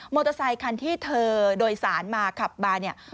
อเตอร์ไซคันที่เธอโดยสารมาขับมาเนี่ย